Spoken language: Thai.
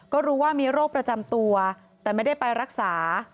ก็รู้ว่ามีโรคประจำตัวแต่ไม่ได้ไปรักษา